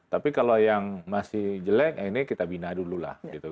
tapi kalau yang masih jelek ini kita bina dulu lah gitu